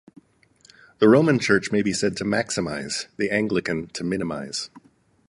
The Roman Church may be said to maximise, the Anglican to minimise.